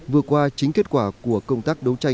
vừa qua chính kết quả của công tác đấu tranh